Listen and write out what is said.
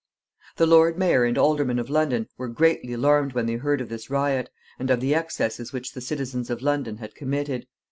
The lord mayor and aldermen of London were greatly alarmed when they heard of this riot, and of the excesses which the citizens of London had committed.